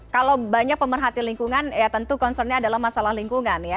kalau banyak pemerhati lingkungan ya tentu concernnya adalah masalah lingkungan ya